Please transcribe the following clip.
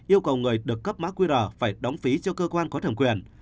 yêu cầu người được cấp mã qr phải đóng phí cho cơ quan có thẩm quyền